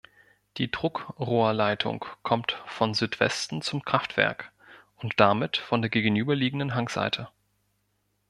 Die Druckrohrleitung kommt von Südwesten zum Kraftwerk und damit von der gegenüberliegenden Hangseite.